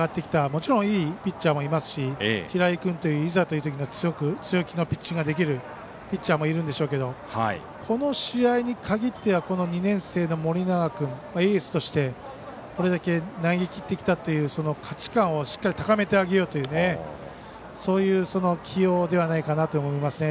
もちろんいいピッチャーもいますし平井君という、いざという時の強気なピッチングもできるピッチャーもいるんでしょうけどこの試合に限ってはこの２年生の盛永君エースとしてこれだけ投げきってきたという価値観をしっかり高めてあげようというそういう起用ではないかなと思いますね。